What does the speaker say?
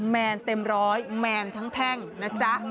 แมนเต็มร้อยแมนทั้งแท่งนะจ๊ะ